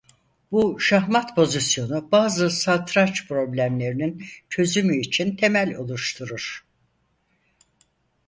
Bu şah mat pozisyonu bazı satranç problemlerinin çözümü için temel oluşturur.